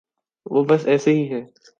وہ بس ایسے ہی ہیں۔